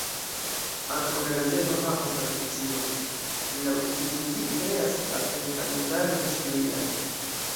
Ankaŭ la gazeto havas tradicion, laŭ kiu ĝi kreas advent-kalendaron ĉiujare.